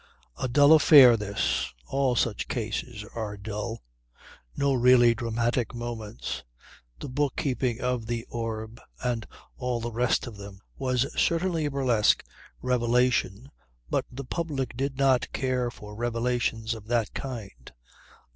A dull affair this. All such cases were dull. No really dramatic moments. The book keeping of The Orb and all the rest of them was certainly a burlesque revelation but the public did not care for revelations of that kind.